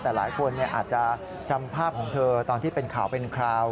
แต่หลายคนอาจจะจำภาพของเธอตอนที่เป็นข่าวเป็นคราว